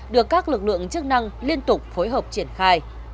được các lực lượng chức năng liên tục phối hợp triển khai